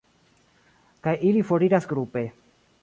Kaj ili foriras grupe.